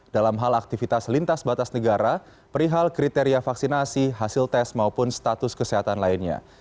dalam hal aktivitas lintas batas negara perihal kriteria vaksinasi hasil tes maupun status kesehatan lainnya